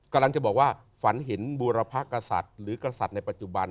กำลังจะบอกว่าฝันเห็นบูรพกษัตริย์หรือกษัตริย์ในปัจจุบัน